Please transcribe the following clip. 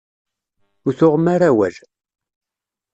Ur tuɣem ara awal.